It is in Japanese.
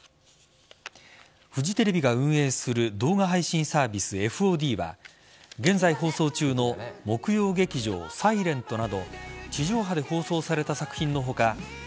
フジテレビが運営する動画配信サービス・ＦＯＤは現在放送中の木曜劇場「ｓｉｌｅｎｔ」など地上波で放送された作品の他